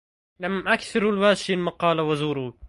لم أكثر الواشي المقال وزورا